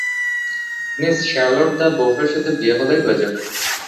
Miss Charlotte ল্যা বোফের সাথে বিয়ে হলেই হয়ে যাবো।